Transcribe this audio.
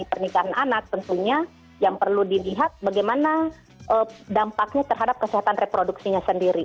pernikahan anak tentunya yang perlu dilihat bagaimana dampaknya terhadap kesehatan reproduksinya sendiri